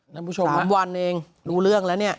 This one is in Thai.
น้ำผู้ชมครับ๓วันเองรู้เรื่องแล้วเนี่ย